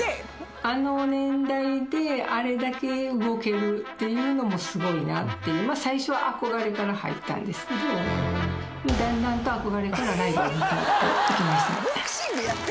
あの年代で、あれだけ動けるっていうのもすごいなって、最初は憧れから入ったんですけど、だんだんと憧れからライバルに変わっていきました。